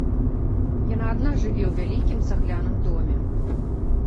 Яна адна жыве ў вялікім цагляным доме.